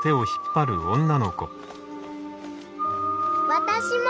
私も。